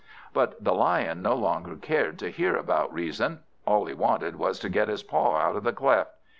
But the Lion no longer cared to hear about reason; all he wanted was to get his paw out of the cleft.